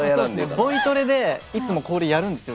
ボイトレでいつも、これやるんですよ。